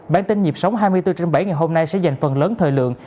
bản tin nhịp sống hai mươi bốn trên bảy ngày hôm nay sẽ dành phần lớn thời lượng